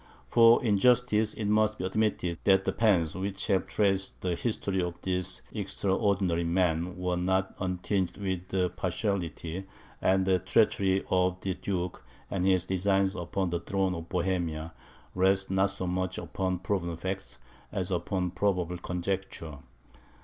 For in justice it must be admitted, that the pens which have traced the history of this extraordinary man are not untinged with partiality, and that the treachery of the duke, and his designs upon the throne of Bohemia, rest not so much upon proven facts, as upon probable conjecture.